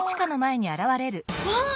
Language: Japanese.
わあ！